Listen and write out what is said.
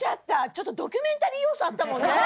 ちょっとドキュメンタリー要素あったもんね。